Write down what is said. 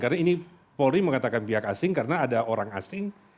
karena ini polri mengatakan pihak asing karena ada orang asing